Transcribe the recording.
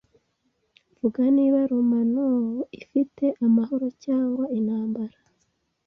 Vuga niba Romagnuol ifite amahoro cyangwa intambara